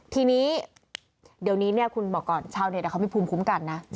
ทีนี้เดี๋ยวนี้คุณบอกก่อนชาวเน็ตเขามีภูมิคุ้มกันนะ